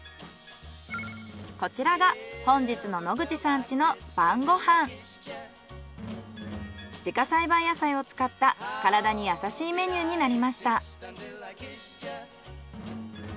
こちらが本日の自家栽培野菜を使った体に優しいメニューになりました。